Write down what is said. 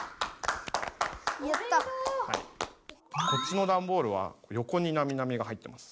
こっちのダンボールはよこになみなみが入ってます。